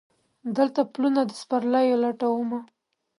دلته پلونه د سپرلیو لټومه